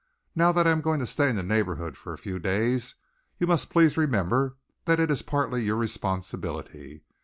"Now that I am going to stay in the neighbourhood for a few days, you must please remember that it is partly your responsibility.